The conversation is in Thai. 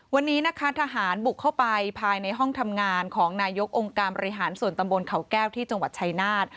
วันนี้นะคะทหารบุกเข้าไปภายในห้องทำงานของนายกองค์การบริหารส่วนตำบลเขาแก้วที่จังหวัดชายนาฏ